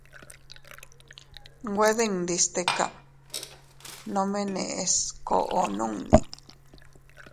Nwe dindi stika, nome neʼes koʼo nunni.